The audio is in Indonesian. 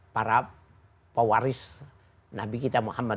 para pewaris nabi kita muhammad